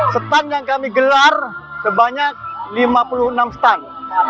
stand yang kami gelar sebanyak lima puluh enam stand